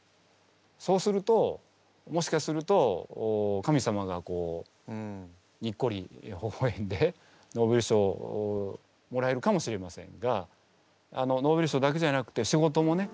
そうするともしかすると神様がにっこりほほえんでノーベル賞をもらえるかもしれませんがノーベル賞だけじゃなくて仕事もね